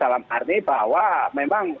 dalam arti bahwa memang